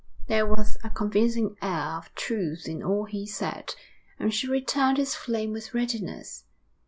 There was a convincing air of truth in all he said, and she returned his flame with readiness.